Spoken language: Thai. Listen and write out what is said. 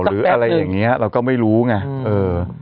หรืออะไรอย่างนี้เราก็ไม่รู้ไงเออ